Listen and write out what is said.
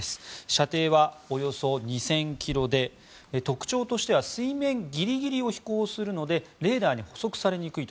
射程はおよそ２０００ｋｍで特徴としては水面ギリギリを飛行するのでレーダーに捕捉されにくい。